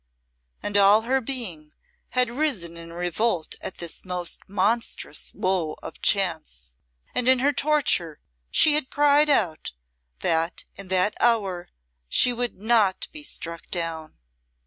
And all her being had risen in revolt at this most monstrous woe of chance, and in her torture she had cried out that in that hour she would not be struck down.